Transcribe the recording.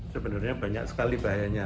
sebenarnya banyak sekali bahayanya